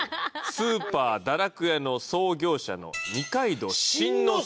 スーパーだらくやの創業者の二階堂信之介。